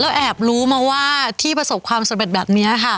แอบรู้มาว่าที่ประสบความสำเร็จแบบนี้ค่ะ